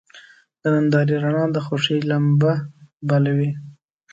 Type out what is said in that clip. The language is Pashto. د نندارې رڼا د خوښۍ لمبه بله وي.